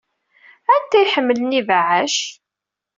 Anta ay iḥemmlen ibeɛɛac?